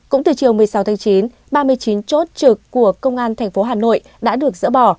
cũng từ chiều một mươi sáu tháng chín ba mươi chín chốt trực của công an thành phố hà nội đã được dỡ bỏ